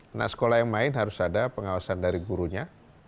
anak sekolah yang main harus ada pengawasan dari gurunya